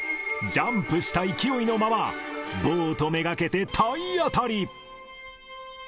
ジャンプした勢いのまま、ボート目がけて体当たり。